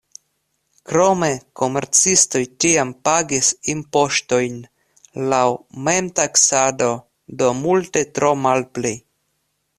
Krome komercistoj tiam pagis impoŝtojn laŭ memtaksado, do multe tro malpli.